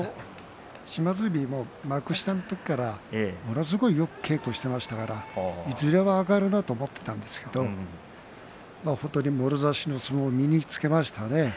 島津海は幕下の時からものすごくよく稽古をしていましたからいずれは上がるなと思っていたんですけれども本当にもろ差しの相撲を身につけましたね。